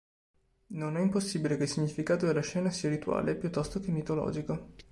Non è impossibile che il significato della scena sia rituale, piuttosto che mitologico.